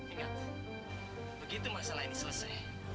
ingat begitu masalah ini selesai